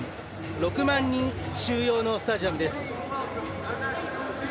６万人収容のスタジアムです。